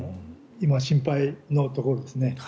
今、心配なところですね。